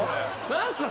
何すか？